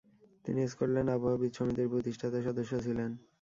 তিনি স্কটল্যান্ড আবহাওয়াবিদ সমিতির প্রতিষ্ঠাতা সদস্য ছিলেন।